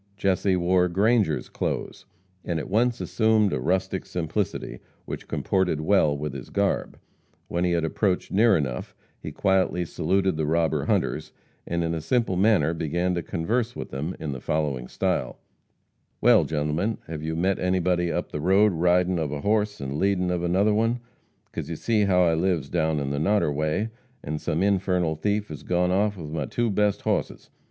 Jesse wore Grangers' clothes, and at once assumed a rustic simplicity which comported well with his garb. When he had approached near enough he quietly saluted the robber hunters, and in a simple manner began to converse with them in the following style: "Well, gentlemen, hev you met anybody up the road ridin' of a hoss an' leadin ov another one, 'cause you see as how I lives down on the Noderway, an' some infernal thief has gone off with my best two hosses.